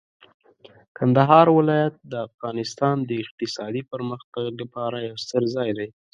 کندهار ولایت د افغانستان د اقتصادي پرمختګ لپاره یو ستر ځای دی.